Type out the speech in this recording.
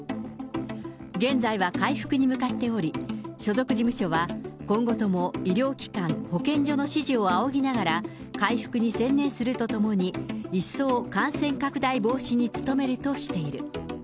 現在は回復に向かっており、所属事務所は、今後とも医療機関、保健所の指示を仰ぎながら、回復に専念するとともに、一層、感染拡大防止に努めるとしている。